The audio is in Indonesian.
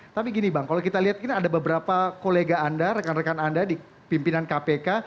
tapi gini bang kalau kita lihat ini ada beberapa kolega anda rekan rekan anda di pimpinan kpk